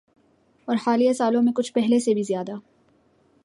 اورحالیہ سالوں میں کچھ پہلے سے بھی زیادہ۔